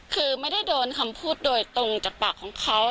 คือไม่ได้โดนคำพูดโดยตรงจากปากของเขา